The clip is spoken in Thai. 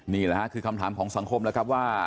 นี่แหละฮะคือคำถามของสังคมแล้วครับว่า